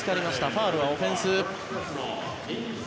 ファウルはオフェンス。